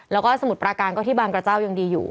แล้วก็สมุทรปราการก็ที่บางกระเจ้ายังดีอยู่